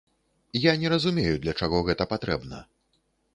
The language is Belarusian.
Я не разумею, для чаго гэта патрэбна.